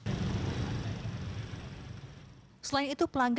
pelanggar juga menghadapi tantangan lainnya